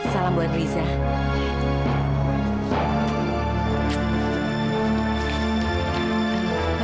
kalian banda hidup bre